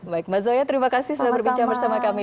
baik mas zoya terima kasih sudah berbincang bersama kami